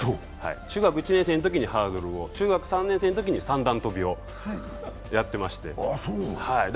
中学１年生のときにハードルを、中学３年生のときに三段跳びをやってまして。